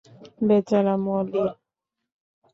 বেচারা মলি।